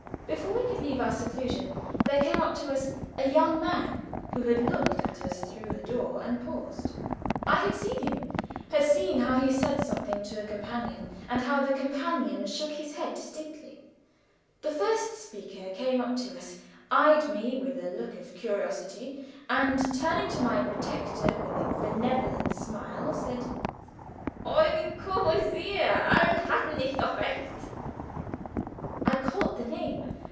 Before we could leave our seclusion there came up to us a young man who had looked at us through the door and paused. I had seen him; had seen how he said something to a companion, and how the companion shook his head dissentingly. The first speaker came up to us, eyed me with a look of curiosity, and turning to my protector with a benevolent smile, said: "Eugen Courvoisier! Also hatte ich doch Recht!" I caught the name.